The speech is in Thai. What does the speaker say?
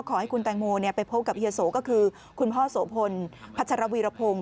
ขอให้คุณแตงโมไปพบกับเฮียโสก็คือคุณพ่อโสพลพัชรวีรพงศ์